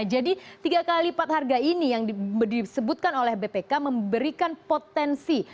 jadi tiga kali lipat harga ini yang disebutkan oleh bpk memberikan potensi